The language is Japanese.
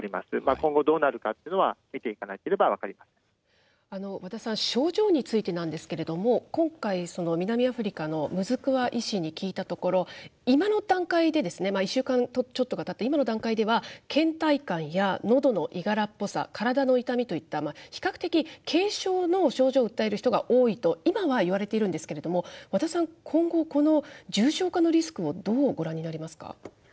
今後どうなるかというのは、見て和田さん、症状についてなんですけれども、今回、南アフリカのムズクワ医師に聞いたところ、今の段階で、１週間ちょっとがたった今の段階では、けん怠感やのどのいがらっぽさ、体の痛みといった、比較的軽症の症状を訴える人が多いと、今はいわれてるんですけれども、和田さん、今後、この重症化のリスクをどうご覧になりますか。